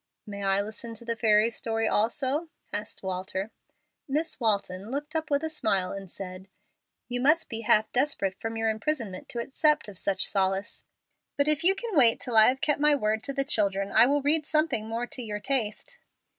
"May I listen to the fairy story also?" asked Walter. Miss Walton looked up with a smile and said, "You must be half desperate from your imprisonment to accept of such solace. But if you can wait till I have kept my word to the children I will read something more to your taste."